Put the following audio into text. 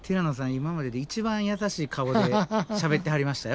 今までで一番優しい顔でしゃべってはりましたよ